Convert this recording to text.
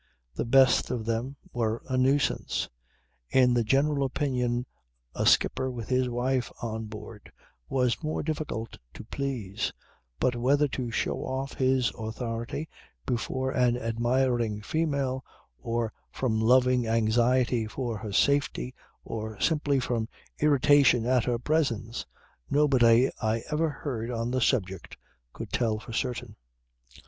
The best of them were a nuisance. In the general opinion a skipper with his wife on board was more difficult to please; but whether to show off his authority before an admiring female or from loving anxiety for her safety or simply from irritation at her presence nobody I ever heard on the subject could tell for certain.